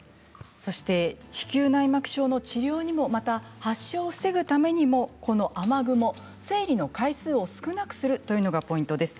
子宮内膜症の治療にもまた発症を防ぐためにもこの雨雲、生理の回数を少なくするというのがポイントです。